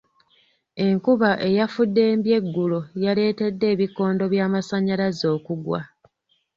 Enkuba eyafuddembye eggulo yaleetedde ebikondo by'amasannyalaze okugwa.